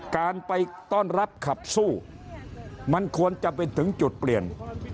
การไปต้อนรับขับสู้มันควรจะเป็นถึงจุดเปลี่ยน